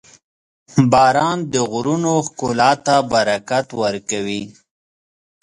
• باران د غرونو ښکلا ته برکت ورکوي.